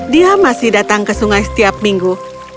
dia masih datang ke sungai setiap minggu